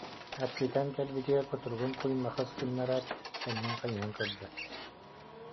Ат ситэн кэл- битигэр кутуругун куймахыс гыннараат кэннин хайыһан көрдө